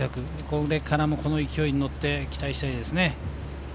これからもこの勢いに乗って期待したいですね。